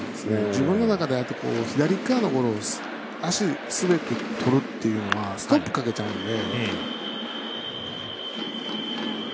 自分の中で、左側のゴロを足で滑って、とるっていうのはストップかけちゃうんで。